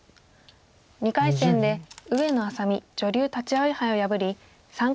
２回戦で上野愛咲美女流立葵杯を破り３回戦出場です。